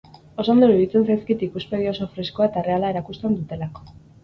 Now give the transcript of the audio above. Oso ondo iruditzen zaizkit ikuspegi oso freskoa eta erreala erakusten dutelako.